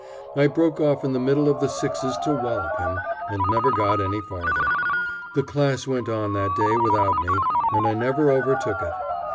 I broke off in the middle of the sixes to wallop him, and never got any farther. The class went on that day without me, and I never overtook it.